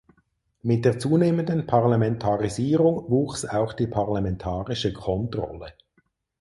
Mit der zunehmenden Parlamentarisierung wuchs auch die parlamentarische Kontrolle.